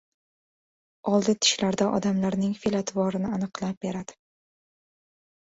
Oldi tishlarda odamlarning fe`l-atvorini aniqlab beradi